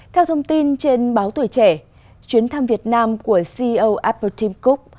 theo thông tin trên báo tuổi trẻ chuyến thăm việt nam của ceo apple team cook